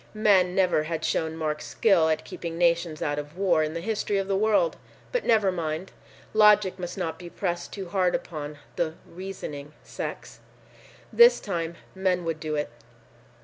Men never had shown marked skill at keeping nations out of war in the history of the world. But never mind! Logic must not be pressed too hard upon the "reasoning" sex. This time, men would do it.